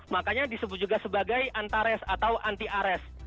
makanya disebut juga sebagai antares atau anti ares